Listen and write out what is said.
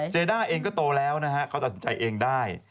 ด้าเองก็โตแล้วนะฮะเขาตัดสินใจเองได้